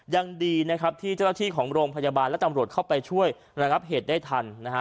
ยังดีนะครับที่เจ้าหน้าที่ของโรงพยาบาลและตำรวจเข้าไปช่วยระงับเหตุได้ทันนะฮะ